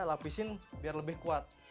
lapisin biar lebih kuat